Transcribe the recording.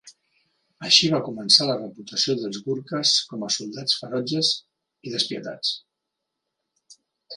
Així va començar la reputació dels Gurkhas com a soldats ferotges i despietats.